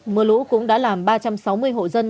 mưa lũ cũng đã làm ba trăm sáu mươi hộ dân